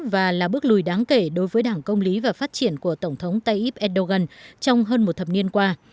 và là bước lùi đáng kể đối với đảng công lý và phát triển của tổng thống tayyip erdogan trong hơn một thập niên qua